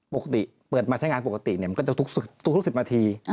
ปกติเปิดมาใช้งานปกติมันก็จะทุก๑๐นาที